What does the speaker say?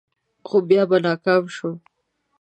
خو بیا به ناکام شوم.